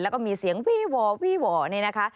แล้วก็มีเสียงวี่วอวี่หว่อนี่นะคะ